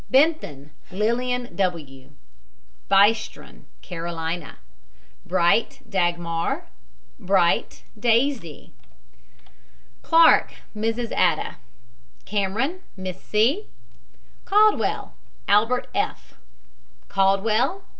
BENTHAN, LILLIAN W. BYSTRON, KAROLINA BRIGHT, DAGMAR. BRIGHT, DAISY. CLARKE, MRS. ADA. CAMERON, MISS. C. CALDWELL, ALBERT F. CALDWELL, MRS.